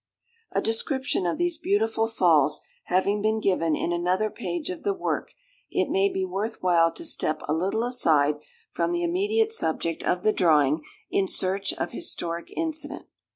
A description of these beautiful Falls having been given in another page of the work, it may be worth while to step a little aside from the immediate subject of the drawing, in search of historic incident.